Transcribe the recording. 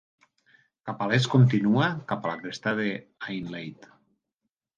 Cap a l'est continua cap a la cresta de Hainleite.